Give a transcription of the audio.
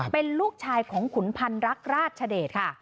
เป็นลูกชายของขุนพันรักราชเดชค่ะ